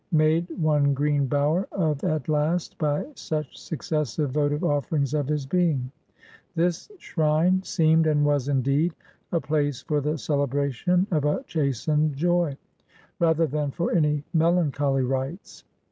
Made one green bower of at last, by such successive votive offerings of his being; this shrine seemed, and was indeed, a place for the celebration of a chastened joy, rather than for any melancholy rites.